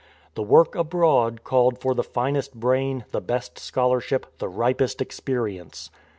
The work abroad called for the finest brain, the best scholarship, the ripest experience.